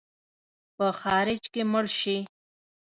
په خارج کې مړ سې.